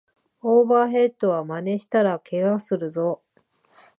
オーバーヘッドはまねしたらケガするぞ